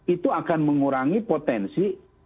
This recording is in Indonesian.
itu akan mengurangi potensi